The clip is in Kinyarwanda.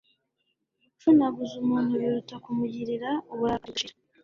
gucunaguza umuntu biruta kumugirira uburakari budashira